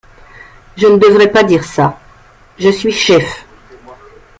Je ne devrais pas dire ça, je suis chef.